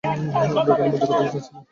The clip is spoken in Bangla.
আমরা ওখানে মজা করতে যাচ্ছি না।